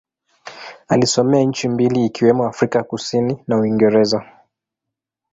Alisomea nchi mbili ikiwemo Afrika Kusini na Uingereza.